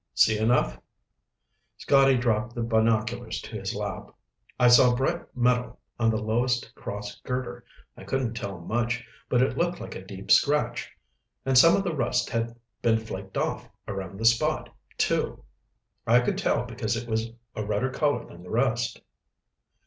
"See enough?" Scotty dropped the binoculars to his lap. "I saw bright metal on the lowest cross girder. I couldn't tell much, but it looked like a deep scratch. And some of the rust had been flaked off around the spot, too. I could tell because it was a redder color than the rest."